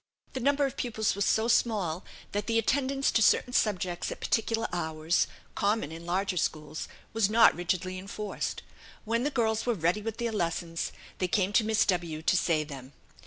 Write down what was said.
The number of pupils was so small that the attendance to certain subjects at particular hours, common in larger schools, was not rigidly enforced. When the girls were ready with their lessons, they came to Miss W to say them.